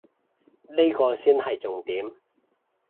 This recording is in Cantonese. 呢個先係重點